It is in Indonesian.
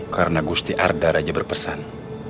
karena gusti arda raja berpesan